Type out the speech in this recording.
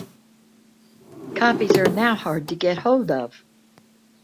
Copies are now hard to get hold of.